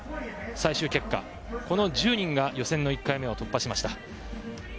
最終結果、この１０人が予選の１回目を突破しました。